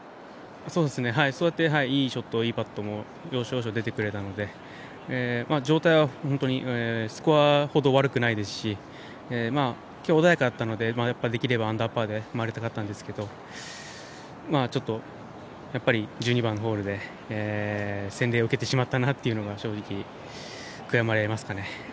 そうやっていいショットいいパットも要所要所出てくれたので状態は本当にスコアほど悪くないですし、今日穏やかだったのでやっぱりできればアンダーパーでまわりたかったんですけどちょっとやっぱり１２番ホールで洗礼を受けてしまったなというのが正直悔やまれますかね。